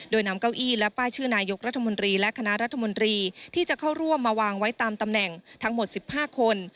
โดยนำเก้าอี้และป้ายชื่อนายกรัฐมนตรีและคณะรัฐมนตรีที่จะเข้าร่วมมาวางไว้ตามตำแหน่งทั้งหมด๑๕คน